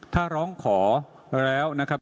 ถ้าร้องขอแล้วนะครับ